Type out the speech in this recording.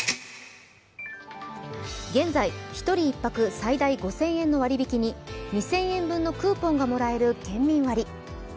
現在、１人１泊最大５０００円の割り引きに２０００円分のクーポンがもらえる県民割。